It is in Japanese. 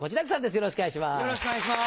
よろしくお願いします。